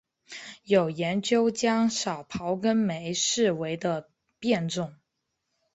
有研究将少孢根霉视为的变种。